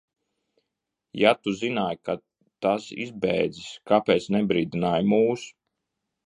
Ja tu zināji, ka tas izbēdzis, kāpēc nebrīdināji mūs?